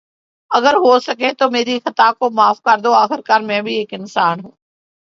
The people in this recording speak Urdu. اگر ہوسکے تو میری خطا کو معاف کردو۔ آخر کار میں بھی ایک انسان ہوں۔